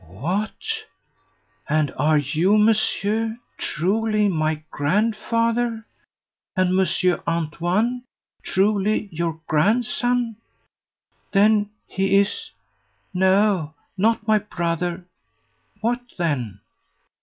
"What! and are you, monsieur, truly my grandfather, and Monsieur Antoine truly your grandson? Then he is no, not my brother; what then?